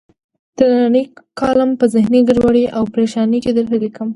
نننۍ کالم په ذهني ګډوډۍ او پریشانۍ کې درته لیکم.